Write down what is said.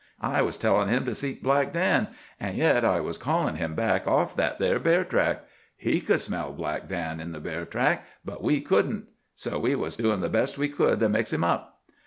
I was tellin' him to seek Black Dan, an' yet I was callin' him back off that there bear track. He could smell Black Dan in the bear track, but we couldn't. So we was doin' the best we could to mix him up.